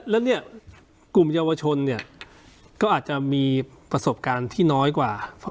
และกลุ่มเยาวชนก็อาจจะมีประสบการณ์ที่น้อยกว่า